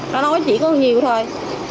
nó nói chỉ có nhiều thôi